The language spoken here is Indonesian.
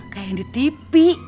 kayak yang di tv